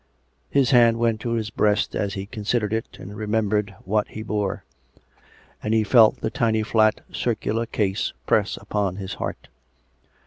His hand went to his breast as he considered it, and remembered What he bore ... and he felt the tiny flat circular case press upon his heart.